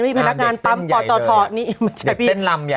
มีพนักงานตำปอดต่อถอดนี่มันถ่ายไปเด็กเต้นลำใหญ่เลย